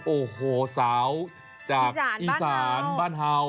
โอ้โหสาวจากอีสานบ้านเฮา